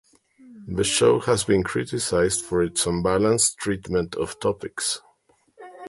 The show has been criticized for its unbalanced treatment of topics.